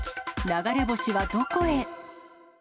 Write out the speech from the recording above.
流れ星はどこへ？